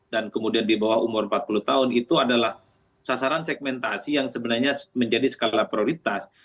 dan kemudian di bawah umur empat puluh tahun itu adalah sasaran segmentasi yang sebenarnya menjadi skala prioritas